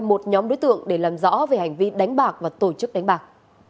một nhóm đối tượng để làm rõ về hành vi đánh bạc và tổ chức đánh bạc